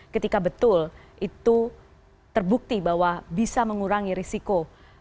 ketika betul itu terbukti bahwa bisa mengurangi risiko